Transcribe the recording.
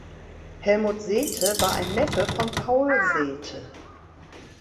Helmut Sethe war ein Neffe von Paul Sethe.